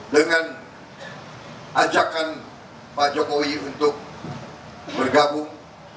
dengan ajakan pak jokowi untuk bergabung